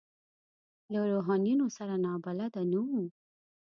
له روحانیونو سره نابلده نه وو.